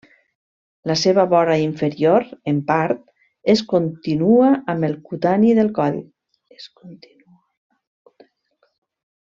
La seva vora inferior, en part, es continua amb el cutani del coll.